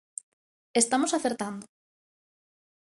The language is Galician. Estamos acertando.